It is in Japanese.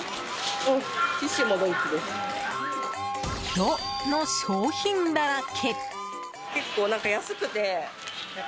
ドの商品だらけ。